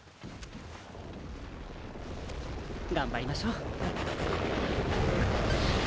頑張りましょう。